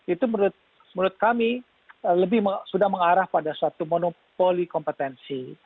itu menurut kami lebih sudah mengarah pada suatu monopoli kompetensi